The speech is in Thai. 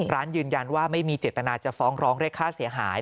ร้านยืนยันว่าไม่มีเจตนาจะฟ้องร้องเรียกค่าเสียหาย